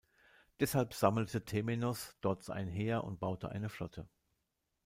Deshalb sammelte Temenos dort ein Heer und baute eine Flotte.